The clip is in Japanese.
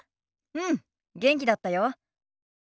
うん元気だったよ。